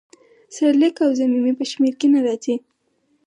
سرلیک او ضمیمې په شمیر کې نه راځي.